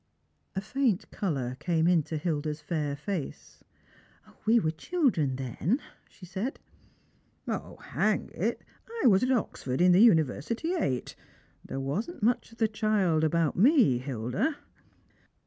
A faint colour came into Hilda's fair face. " We were children then," she said. " 0, hang it ; I was at Oxford, and in the University eight. There wasn't much of the child about me, Hilda."